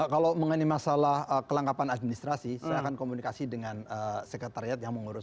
kalau mengenai masalah kelengkapan administrasi saya akan komunikasi dengan sekretariat yang mengurus